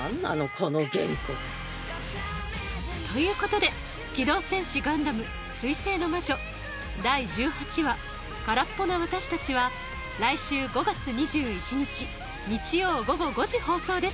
この原稿ということで「機動戦士ガンダム水星の魔女」第１８話空っぽな私たちは来週５月２１日日曜午後５時放送です